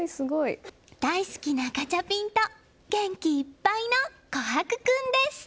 大好きなガチャピンと元気いっぱいの虎珀君です。